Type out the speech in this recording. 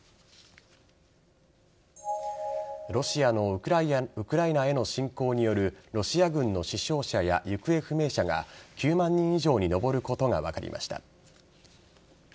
ロシアのウクライナへの侵攻によるロシア軍の死傷者や行方不明者が９万人以上に上ることが分かりました。